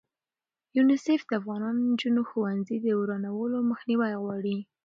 یونیسف د افغانو نجونو ښوونځي د ورانولو مخنیوی غواړي.